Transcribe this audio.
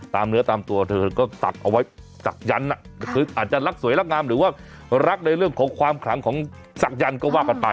เนื้อตามตัวเธอก็ศักดิ์เอาไว้ศักยันต์คืออาจจะรักสวยรักงามหรือว่ารักในเรื่องของความขลังของศักยันต์ก็ว่ากันไป